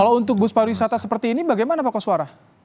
kalau untuk bus pariwisata seperti ini bagaimana pak koswara